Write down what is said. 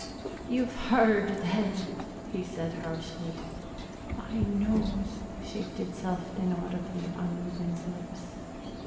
"You've heard, then!" he said harshly. "I know!" shaped itself inaudibly on Reuben's lips.